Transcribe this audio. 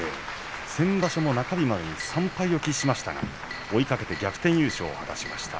先場所も中日まで３敗を喫しましたが、追いかけて逆転優勝を果たしました。